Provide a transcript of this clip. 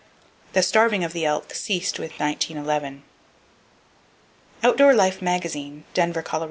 The starving of the elk ceased with 1911. Outdoor Life magazine (Denver, Colo.)